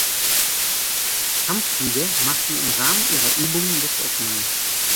Kampfflieger machten im Rahmen ihrer Übungen Luftaufnahmen.